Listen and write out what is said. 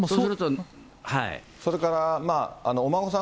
それからお孫さん